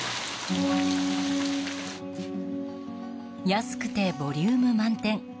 安くてボリューム満点。